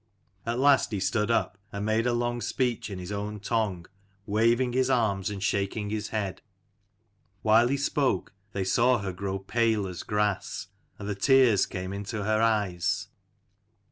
At last he stood up, and made a long speech in his own tongue, waving his arms and shaking his head. While he spoke, they saw her grow pale as grass, and the tears came into her eyes.